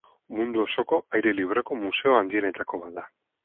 Mundu osoko aire libreko museo handienetako bat da.